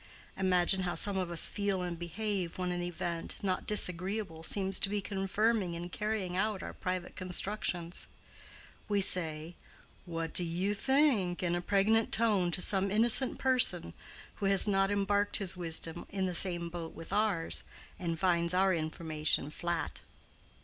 Imagine how some of us feel and behave when an event, not disagreeable seems to be confirming and carrying out our private constructions. We say, "What do you think?" in a pregnant tone to some innocent person who has not embarked his wisdom in the same boat with ours, and finds our information flat.